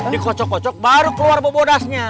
dikocok kocok baru keluar bobodasnya